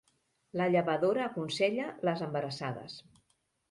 La llevadora aconsella les embarassades.